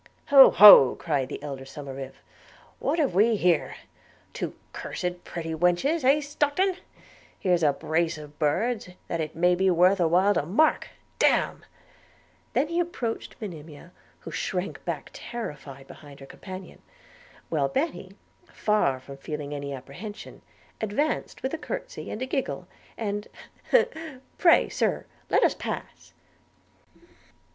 'Oh ho!' cried the elder Somerive; 'what have we here! two cursed pretty wenches – hey, Stockton? Here's a brace of birds that it may be worth while to mark, damme!' He then approached Monimia, who shrank back terrified behind her companion; while Betty, far from feeling any apprehension, advanced with a curtsey and a giggle, and 'Pray, Sir, let us pass.'